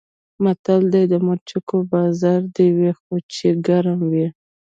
متل دی: د مرچکو بازار دې وي خو چې ګرم وي.